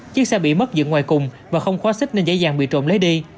chiếc xe bị mất dựng ngoài cùng và không khóa xích nên dễ dàng bị trộm lấy đi